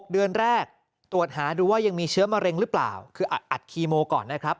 เดือนแรกตรวจหาดูว่ายังมีเชื้อมะเร็งหรือเปล่าคืออัดคีโมก่อนนะครับ